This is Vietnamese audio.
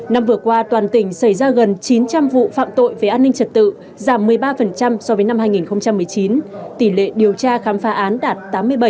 năm vừa qua toàn tỉnh xảy ra gần chín trăm linh vụ phạm tội về an ninh trật tự giảm một mươi ba so với năm hai nghìn một mươi chín tỷ lệ điều tra khám phá án đạt tám mươi bảy